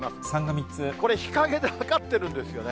これ、日陰で測ってるんですよね。